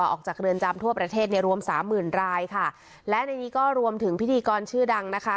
ออกจากเรือนจำทั่วประเทศในรวมสามหมื่นรายค่ะและในนี้ก็รวมถึงพิธีกรชื่อดังนะคะ